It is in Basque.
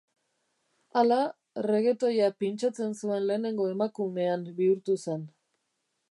Hala, reggaetoia pintxatzen zuen lehenengo emakumean bihurtu zen.